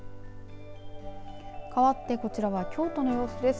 かわってこちらは京都の様子です。